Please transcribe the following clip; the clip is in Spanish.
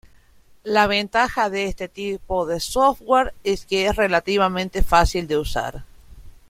La ventaja de este tipo de software es que es relativamente fácil de usar.